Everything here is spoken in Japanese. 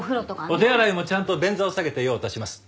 お手洗いもちゃんと便座を下げて用を足します。